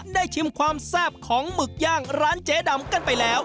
ชิมความแซ่บของหมึกย่างร้านเจ๊ดำกันไปแล้ว